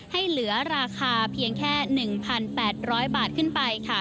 ให้เหลือราคาเพียงแค่๑๘๐๐บาทขึ้นไป